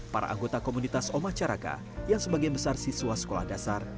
para anggota komunitas oma caraka yang sebagian besar siswa sekolah dasar